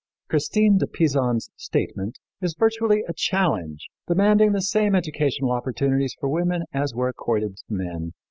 Christine de Pisan's statement is virtually a challenge demanding the same educational opportunities for women as were accorded to men.